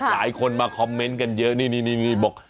หลายคนมาคอมเมนต์กันเยอะนี่บอก